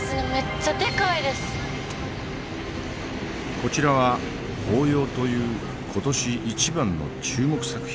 こちらは「抱擁」という今年一番の注目作品。